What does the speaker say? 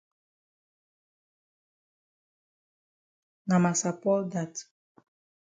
Na massa Paul dat.